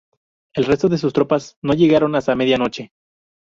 El resto de sus tropas no llegaron hasta media noche.